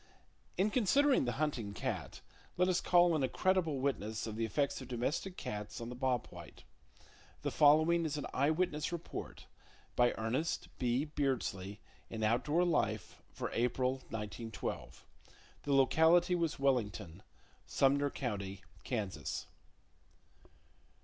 In considering the hunting cat, let us call in a credible witness of the effects of domestic cats on the bob white. The following is an eye witness report, by Ernest B. Beardsley, in Outdoor Life for April, 1912. The locality was Wellington, Sumner County, Kansas.